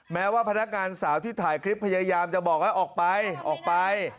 แม้ว่าพนักงานสาวที่ถ่ายคลิปพยายามจะบอกให้ออกไปออกไป